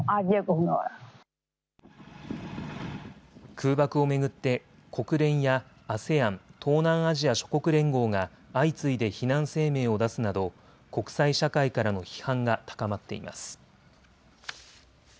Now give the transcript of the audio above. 空爆を巡って国連やＡＳＥＡＮ・東南アジア諸国連合が相次いで非難声明を出すなど国際社会からの批判が高まっています。